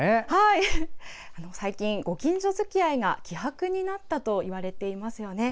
最近ご近所づきあいが希薄になったといわれていますよね。